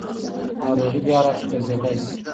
ناروغي بیا راګرځېدای شي.